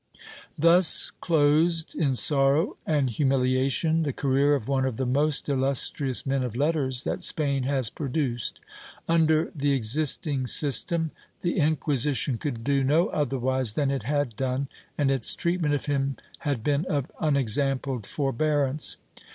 ^ Thus closed, in sorrow and humiliation, the career of one of the most illustrious men of letters that Spain has produced. Under the existing system the Inquisition could do no otherwise than it had done, and its treatment of him had been of unexampled forbearance.